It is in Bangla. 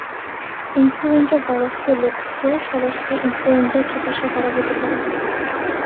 ইনফ্লুয়েঞ্জা ভাইরাসকে লক্ষ্য করে সরাসরি ইনফ্লুয়েঞ্জার চিকিৎসা করা হতে পারে।